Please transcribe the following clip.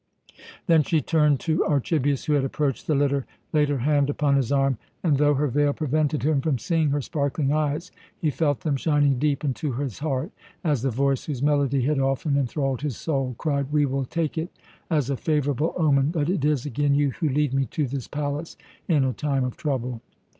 Then she turned to Archibius, who had approached the litter, laid her hand upon his arm, and though her veil prevented him from seeing her sparkling eyes, he felt them shining deep into his heart, as the voice whose melody had often enthralled his soul cried, "We will take it as a favourable omen that it is again you who lead me to this palace in a time of trouble."